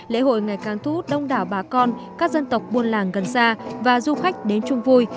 lễ hội ngày càng thu hút đông đảo bà con các dân tộc buôn làng gần xa và du khách đến chung vui